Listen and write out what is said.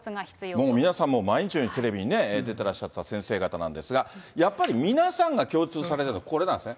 もう皆さん、毎日のようにテレビに出てらっしゃった先生方なんですが、やっぱり、皆さんが共通されているのは、これなんですね。